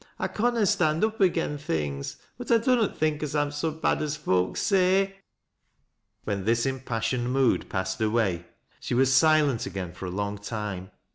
1 conna stand up agen things, but I dunnot think as I'm so bad as foaks say !" When this impassioned mood passed away, she was silent again for a long time.